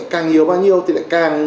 càng nhiều bao nhiêu thì lại càng